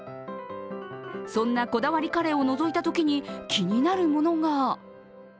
そんなこだわりカレーをのぞいたときに、気になるものが。